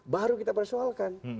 baru kita persoalkan